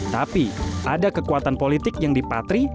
tapi ada kekuatan politik yang dipatri